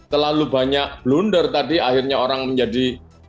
terlalu banyak blunder tadi akhirnya orang menjadi